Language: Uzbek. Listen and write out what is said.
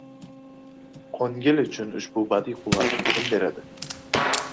Qo‘ngil uchun ushbu badiiy quvvatni kim beradi?